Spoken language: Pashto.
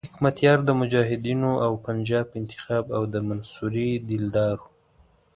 حکمتیار د مجاهدینو او پنجاب انتخاب او د منصوري دلدار وو.